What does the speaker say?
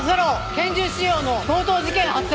拳銃使用の強盗事件発生。